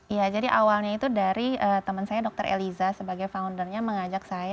ya jadi awalnya itu dari teman saya dokter eliza sebagai founder nya mengajak saya